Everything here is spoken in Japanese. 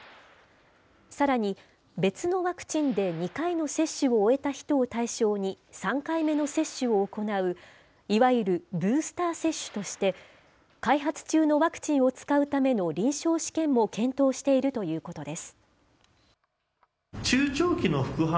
さらに、別のワクチンで２回の接種を終えた人を対象に、３回目の接種を行う、いわゆるブースター接種として、開発中のワクチンを使うための臨床試験も検討しているということです。